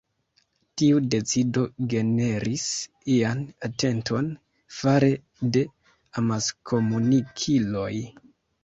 Tiu decido generis ian atenton fare de amaskomunikiloj.